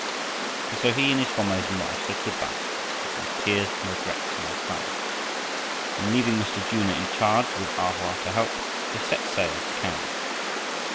And so he and his Formosan wife said good by, amid tears and regrets on all sides, and leaving Mr. Junor in charge with A Hoa to help, they set sail for Canada.